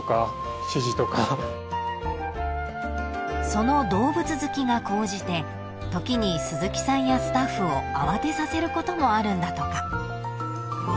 ［その動物好きが高じて時に鈴木さんやスタッフを慌てさせることもあるんだとか］